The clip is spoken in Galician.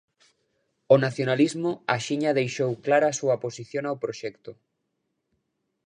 O nacionalismo axiña deixou clara a súa oposición ao proxecto.